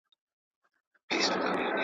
زموږ کورونه زموږ ښارونه پکښي ړنګ سي.